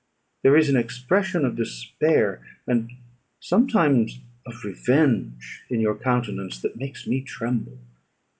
There is an expression of despair, and sometimes of revenge, in your countenance, that makes me tremble.